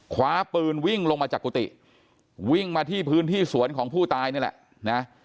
คว้าปืนวิ่งลงมาจากกุฏิวิ่งมาที่พื้นที่สวนของผู้ตายนี่แหละนะ